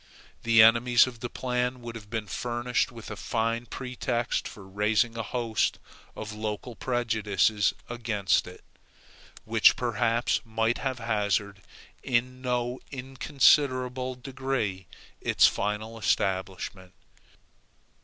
The enemies of the plan would have been furnished with a fine pretext for raising a host of local prejudices against it, which perhaps might have hazarded, in no inconsiderable degree, its final establishment.